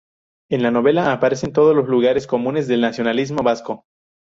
En la novela aparecen todos los lugares comunes del nacionalismo vasco.